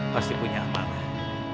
pasti punya amalan